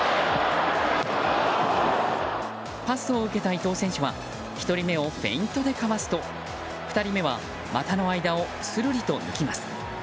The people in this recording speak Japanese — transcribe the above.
パスを受けた伊東選手は１人目をフェイントでかわすと２人目は股の間をするりと抜きます。